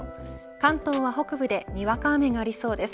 関東は北部でにわか雨がありそうです。